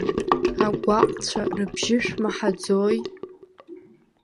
Агәаҟцәа рыбжьы шәмаҳаӡои?!